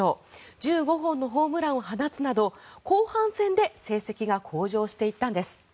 １５本のホームランを放つなど後半戦で成績が向上していったんです。